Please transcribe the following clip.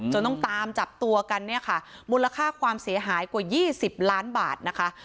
ต้องตามจับตัวกันเนี่ยค่ะมูลค่าความเสียหายกว่า๒๐ล้านบาทนะคะ